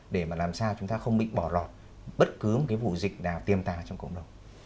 để mà làm sao chúng ta không bị bỏ lọt bất cứ một cái vụ dịch nào tiêm tà trong cộng đồng